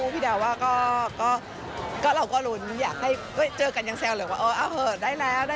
ว่าวันนั้นเอาก็ก็บ้างเดี๋ยวเขาไม่ให้พูด